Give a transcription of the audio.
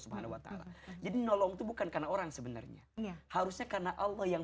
subhanahuwata'ala jadi nolong tuh bukan karena orang sebenarnya harusnya karena allah yang